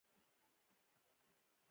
ټلیفون مي په کور کي پرېښود .